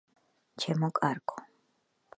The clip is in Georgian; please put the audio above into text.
- ჩემო კარგო,